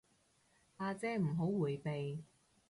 阿姐唔好迴避